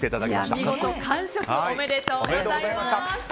見事完食おめでとうございます。